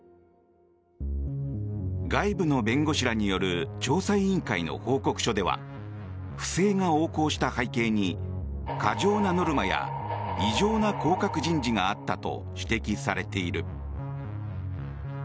外部の弁護士らによる調査委員会の報告書では不正が横行した背景に過剰なノルマや異常な降格人事があったと指摘されている。